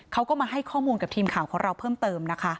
เขาก็มาให้ข้อมูลกับทีมข่าวของเราเพิ่มเติมนะคะ